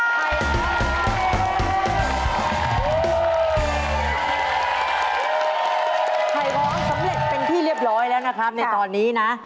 ไข่ของสำเร็จเป็นที่เรียบร้อยแล้วนะครับในตอนนี้นะ